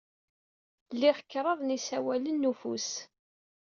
Liɣ kraḍ n yisawalen n ufus.